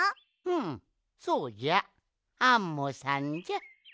うんそうじゃアンモさんじゃ。